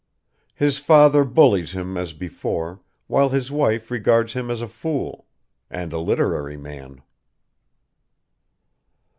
His father bullies him as before, while his wife regards him as a fool ... and a literary man.